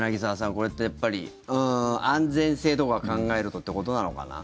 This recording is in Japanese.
これってやっぱり安全性とかを考えるとってことなのかな？